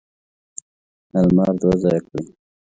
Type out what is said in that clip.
المار دوه ځایه کړي.